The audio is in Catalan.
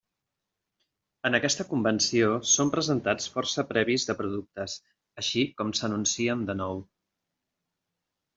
En aquesta convenció són presentats força previs de productes, així com s'anuncien de nou.